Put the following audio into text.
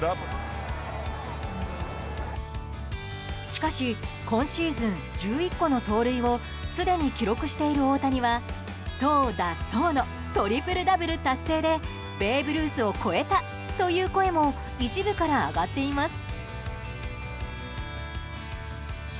しかし今シーズン１１個の盗塁をすでに記録している大谷は投打走のトリプルダブル達成でベーブ・ルースを超えたという声も一部から上がっています。